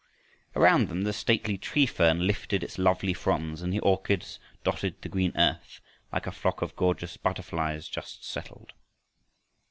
Around them the stately tree fern lifted its lovely fronds and the orchids dotted the green earth like a flock of gorgeous butterflies just settled.